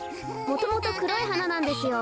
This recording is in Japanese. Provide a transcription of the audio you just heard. もともとくろいはななんですよ。